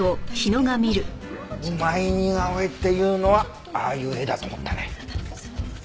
うまい似顔絵っていうのはああいう絵だと思ったね。